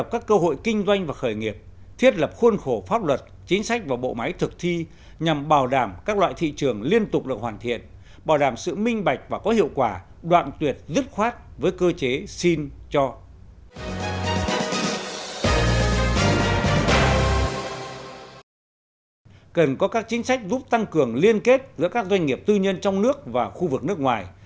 cần có các chính sách giúp tăng cường liên kết giữa các doanh nghiệp tư nhân trong nước và khu vực nước ngoài